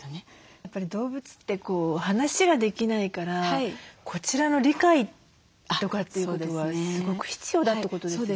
やっぱり動物って話ができないからこちらの理解とかっていうことはすごく必要だってことですよね？